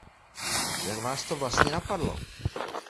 Jak vás to vlastně napadlo?